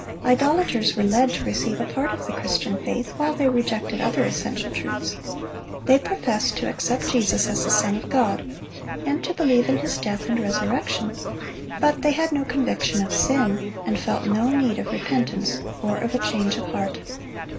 Idolaters were led to receive a part of the Christian faith, while they rejected other essential truths. They professed to accept Jesus as the Son of God, and to believe in His death and resurrection; but they had no conviction of sin, and felt no need of repentance or of a change of heart.